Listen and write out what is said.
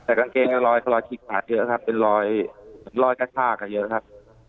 แต่กางเกงจะเป็นรอยรอยขีดขาดเยอะครับเป็นรอยกระชากเยอะครับ